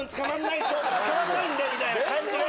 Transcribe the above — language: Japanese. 「つかまんないんで」みたいな感じで。